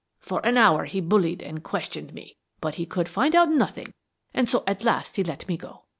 For an hour he bullied and questioned me, but he could find out nothing and so at last he let me go.